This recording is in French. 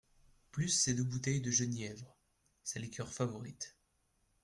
Plus, ces deux bouteilles de genièvre… sa liqueur favorite.